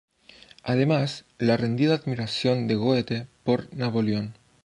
Además, la rendida admiración de Goethe por Napoleón.